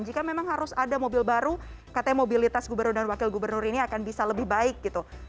jika memang harus ada mobil baru katanya mobilitas gubernur dan wakil gubernur ini akan bisa lebih baik gitu